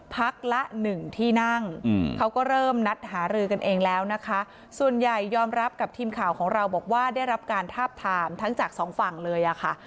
พักละหนึ่งที่นั่งเขาก็เริ่มนัดหารือกันเองแล้วนะคะส่วนใหญ่ยอมรับกับทีมข่าวของเราบอกว่าได้รับการทาบทามทั้งจากสองฝั่งเลยอะค่ะ